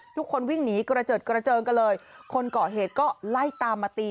ทุกคนวิ่งหนีกระเจิดกระเจิงกันเลยคนก่อเหตุก็ไล่ตามมาตี